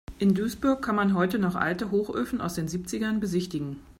In Duisburg kann man heute noch alte Hochöfen aus den Siebzigern besichtigen.